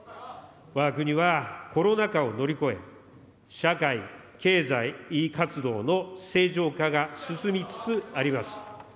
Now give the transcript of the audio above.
わが国は、コロナ禍を乗り越え、社会経済活動の正常化が進みつつあります。